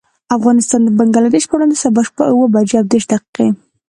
افغانستان د بنګلدېش پر وړاندې، سبا شپه اوه بجې او دېرش دقيقې.